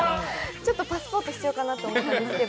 ちょっとパスポート必要かなと思ったんですけど。